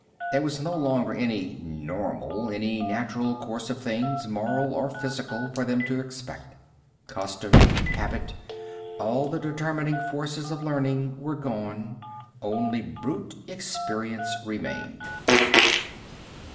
There was no longer any normal, any natural course of things, moral or physical, for them to expect. Custom, habit, all the determining forces of learning were gone; only brute experience remained.